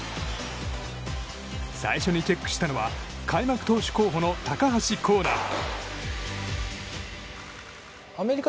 最初にチェックしたのは開幕投手候補の高橋光成。